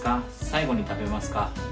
最後に食べますか？